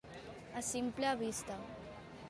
A simple vista.